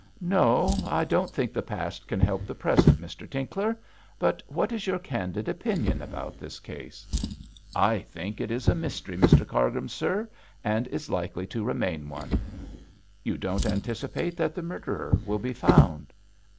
'No! I don't think the past can help the present, Mr Tinkler. But what is your candid opinion about this case?' 'I think it is a mystery, Mr Cargrim, sir, and is likely to remain one.' 'You don't anticipate that the murderer will be found?'